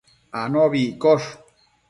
anobi iccosh